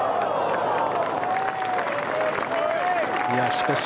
しかし、